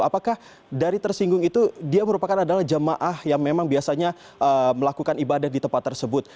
apakah dari tersinggung itu dia merupakan adalah jemaah yang memang biasanya melakukan ibadah di tempat tersebut